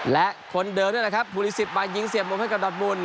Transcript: และคนเดิมเนี่ยนะครับพูลิสิตมายิงเสียบมมป์ให้กับดอทมูล